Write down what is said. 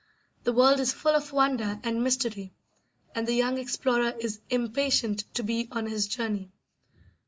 The world is full of wonder and mystery, and the young explorer is impatient to be on his journey.